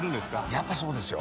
「やっぱそうですよ」